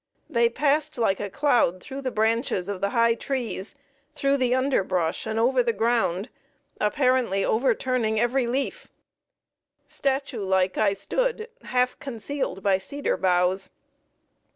They passed like a cloud through the branches of the high trees, through the underbrush and over the ground, apparently overturning every leaf. Statue like I stood, half concealed by cedar boughs.